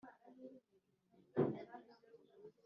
Mu by ukuri nta na rimwe ningeze mbikora